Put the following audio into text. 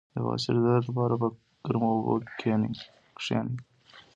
د بواسیر د درد لپاره په ګرمو اوبو کینئ